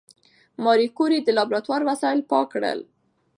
ماري کوري د لابراتوار وسایل پاک کړل.